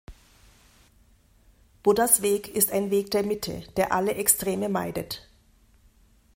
Buddhas Weg ist ein Weg der Mitte, der alle Extreme meidet.